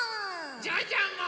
ジャンジャンも！